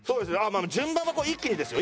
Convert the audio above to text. まあ順番はこう一気にですよ